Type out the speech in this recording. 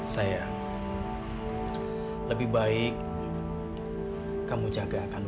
saya ingin menjaga kamu